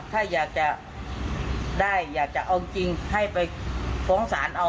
ถ้าอยากจะได้อยากจะเอาจริงให้ไปฟ้องศาลเอา